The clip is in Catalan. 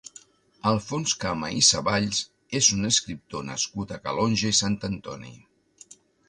Alfons Cama i Saballs és un escriptor nascut a Calonge i Sant Antoni.